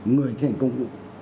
người thi hành công vụ